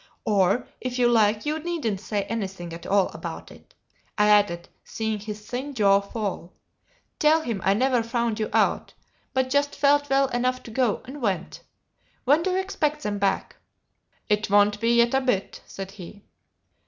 Or, if you like, you needn't say anything at all about it," I added, seeing his thin jaw fall; "tell him I never found you out, but just felt well enough to go, and went. When do you expect them back?" "It won't be yet a bit," said he.